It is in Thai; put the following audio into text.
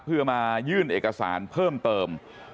เพื่อมายื่นเอกสารเพิ่มเติม